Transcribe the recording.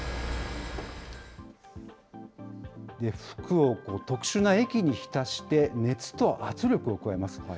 服を特殊な液に浸して熱と圧力を加えます。